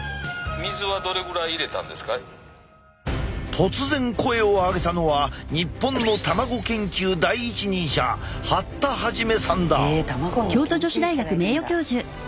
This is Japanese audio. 突然声を上げたのは日本の卵研究第一人者へえ卵の研究者がいるんだ。